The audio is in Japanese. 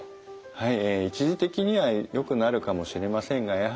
はい。